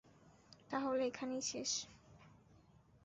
তাহলে এখানেই শেষ?